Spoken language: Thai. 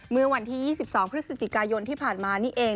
เมื่อวันที่๒๒พฤศจิกายนที่ผ่านมานี่เอง